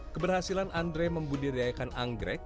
keberhasilan andre membudidayakan anggrek